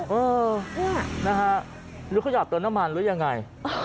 เออหรือเขาหยาบตัวน้ำมันหรือยังไง